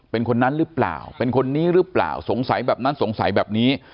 เป็นคนนั้นหรือเปล่าเป็นคนนี้หรือเปล่าสงสัยแบบนั้นสงสัยแบบนี้